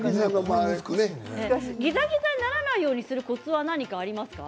ぎざぎざにならないようにするコツはありますか？